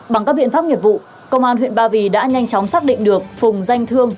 bằng các biện pháp nghiệp vụ công an huyện ba vì đã nhanh chóng xác định được phùng danh thương